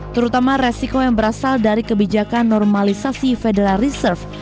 terutama resiko yang berasal dari kebijakan normalisasi federal reserve